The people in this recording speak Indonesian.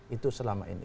itu selama ini